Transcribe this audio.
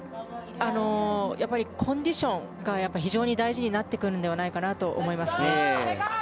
やっぱり、コンディションが非常に大事になってくるのではないかなと思いますね。